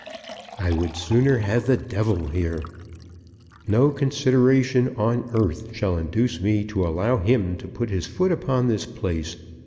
"I would sooner have the devil here. No consideration on earth shall induce me to allow him to put his foot upon this place.